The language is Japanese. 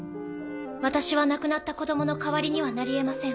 私は亡くなった子供の代わりにはなり得ません。